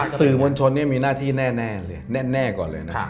คือสื่อมวลชนมีหน้าที่แน่ก่อนเลยนะ